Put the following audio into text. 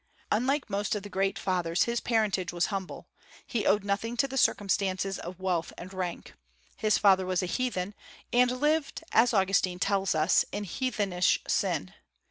Unlike most of the great Fathers, his parentage was humble. He owed nothing to the circumstances of wealth and rank. His father was a heathen, and lived, as Augustine tells us, in "heathenish sin."